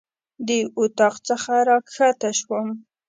د اطاق څخه راکښته شوم.